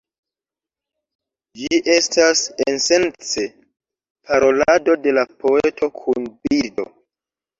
Ĝi estas esence parolado de la poeto kun birdo.